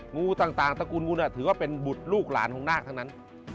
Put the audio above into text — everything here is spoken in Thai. งูต่างตระกูลงูถือว่าเป็นบุตรลูกหลานของนาคทั้งนั้น